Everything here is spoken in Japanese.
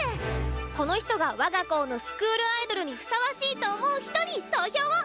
この人が我が校のスクールアイドルにふさわしいと思う人に投票を！